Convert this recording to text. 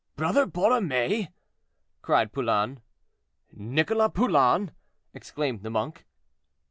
"Brother Borromée!" cried Poulain. "Nicholas Poulain!" exclaimed the monk.